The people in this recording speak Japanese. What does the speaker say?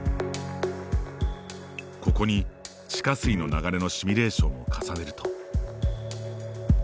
ここに地下水の流れのシミュレーションを重ねると。